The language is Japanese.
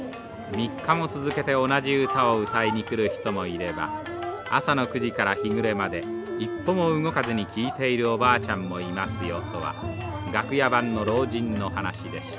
３日も続けて同じ歌を歌いに来る人もいれば朝の９時から日暮れまで一歩も動かずに聴いているおばあちゃんもいますよとは楽屋番の老人の話でした。